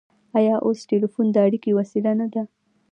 آیا اوس ټیلیفون د اړیکې وسیله نه ده؟